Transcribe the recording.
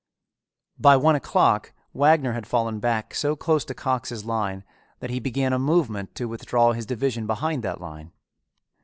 By one o'clock Wagner had fallen back so close to Cox's line that he began a movement to withdraw his division behind that line.